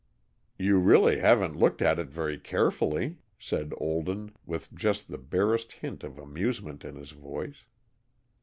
"You really haven't looked at it very carefully," said Olden, with just the barest hint of amusement in his voice.